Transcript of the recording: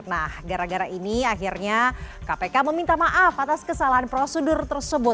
nah gara gara ini akhirnya kpk meminta maaf atas kesalahan prosedur tersebut